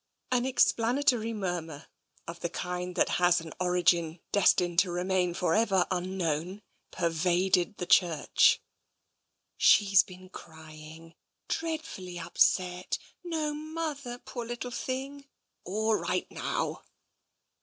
An explanatory murmur, of the kind that has an origin destined to remain for ever unknown, pervaded the church. " She's been crying — dreadfully upset — no mother — poor little thing. All right now."